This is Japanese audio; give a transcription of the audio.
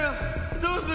どうする？